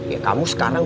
ya kamu sekarang